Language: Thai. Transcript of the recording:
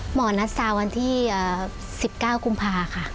หมอนัดซาววันที่๑๙กุมภาค่ะ